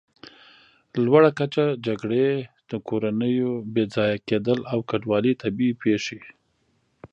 لوړه کچه، جګړې، د کورنیو بېځایه کېدل او کډوالي، طبیعي پېښې